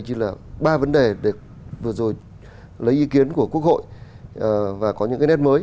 như là ba vấn đề được vừa rồi lấy ý kiến của quốc hội và có những cái nét mới